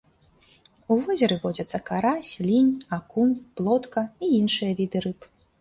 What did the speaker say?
У возеры водзяцца карась, лінь, акунь, плотка і іншыя віды рыб.